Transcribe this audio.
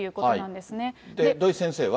で、土井先生は。